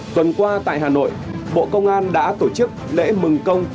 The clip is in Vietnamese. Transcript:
tuần qua tại hà nội bộ công an đã tổ chức lễ mừng công